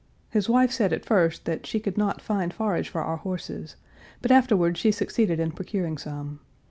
His wife said at first that she could not find forage for our horses, but afterward she succeeded in procuring some.